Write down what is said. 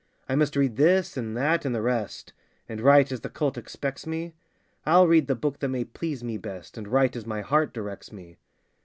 'I must read this, and that, and the rest,' And write as the cult expects me? I'll read the book that may please me best, And write as my heart directs me!